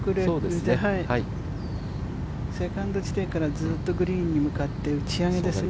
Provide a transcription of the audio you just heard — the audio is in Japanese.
セカンド地点からずっとグリーンに向かって打ち上げですね。